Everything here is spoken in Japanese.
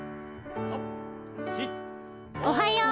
おはよう。